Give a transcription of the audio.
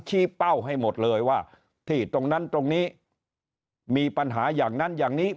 เป้าให้หมดเลยว่าที่ตรงนั้นตรงนี้มีปัญหาอย่างนั้นอย่างนี้